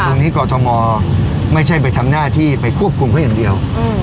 ตรงนี้กรทมไม่ใช่ไปทำหน้าที่ไปควบคุมเขาอย่างเดียว